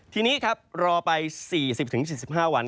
ทีนี้ครับรอไป๔๐๔๕วัน